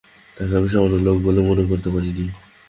তাকে আমি সামান্য লোক বলে মনে করতে পারি নে।